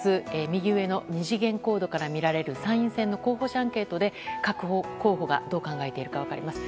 右上の２次元コードから見られる参院選の候補者アンケートで各候補がどう考えているか分かります。